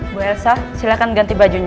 ibu elsa silakan ganti bajunya